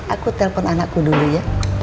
aku telpon anak ku dulu ya